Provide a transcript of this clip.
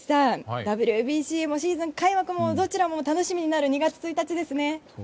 ＷＢＣもシーズン開幕もどちらも楽しみになる２月１日ですね。